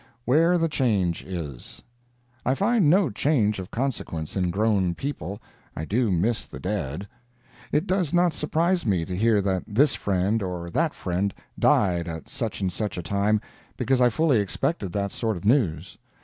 WHERE THE CHANGE IS I find no change of consequence in grown people, I do not miss the dead. It does not surprise me to hear that this friend or that friend died at such and such a time, because I fully expected that sort of news.